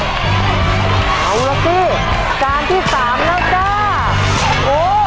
เอาล่ะสิจานที่สามแล้วจ้าโอ้